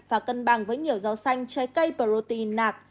và cân bằng với nhiều rau xanh trái cây protein nạc